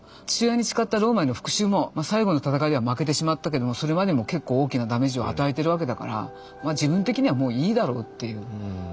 父親に誓ったローマへの復讐も最後の戦いでは負けてしまったけどもそれまでも結構大きなダメージを与えてるわけだから自分的にはもういいだろうっていう。